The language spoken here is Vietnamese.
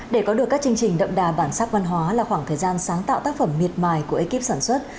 để có được các chương trình đậm đà bản sắc văn hóa là khoảng thời gian sáng tạo tác phẩm miệt mài của ekip sản xuất